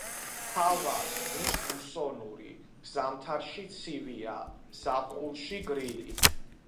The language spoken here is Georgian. ჰავა ზღვის მუსონური, ზამთარში ცივია, ზაფხულში გრილი.